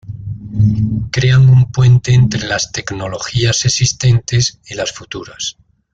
Crean un puente entre las tecnologías existentes y las futuras.